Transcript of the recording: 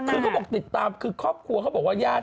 คือเขาบอกติดตามคือครอบครัวเขาบอกว่าญาติ